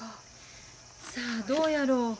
さあどうやろう。